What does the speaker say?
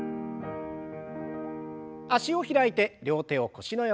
脚を開いて両手を腰の横。